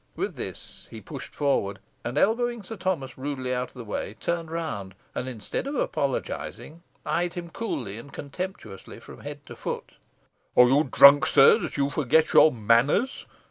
With this he pushed forward, and elbowing Sir Thomas rudely out of the way, turned round, and, instead of apologising, eyed him coolly and contemptuously from head to foot. "Are you drunk, sir, that you forget your manners?"